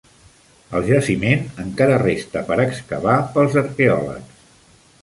El jaciment encara resta per excavar pels arqueòlegs.